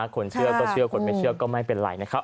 คนเชื่อก็เชื่อคนไม่เชื่อก็ไม่เป็นไรนะครับ